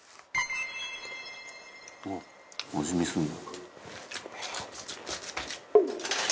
「おっ味見するんだ」